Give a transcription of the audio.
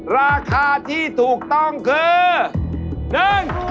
ราคาที่ถูกต้องคือ